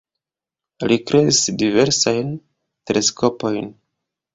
Li kreis diversajn teleskopojn.